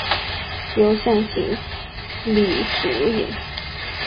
由向井理主演。